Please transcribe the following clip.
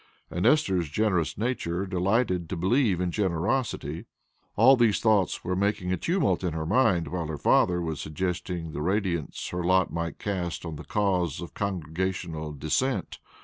And Esther's generous nature delighted to believe in generosity. All these thoughts were making a tumult in her mind while her father was suggesting the radiance her lot might cast on the cause of congregational Dissent.